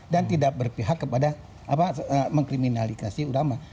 dan tidak berpihak kepada mengkriminalisasi ulama